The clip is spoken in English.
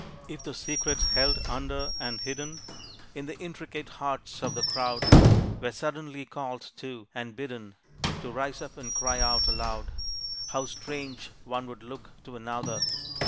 If the secrets held under and hidden In the intricate hearts of the crowd, Were suddenly called to, and bidden To rise up and cry out aloud, How strange one would look to another!